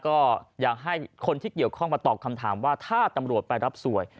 ก็อยากให้คนที่เกี่ยวข้องมาตอบคำถามว่าถ้าตำรวจไปรับสวย